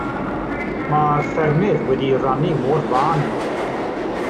Mae'r ffermydd wedi eu rhannu mor fân yno.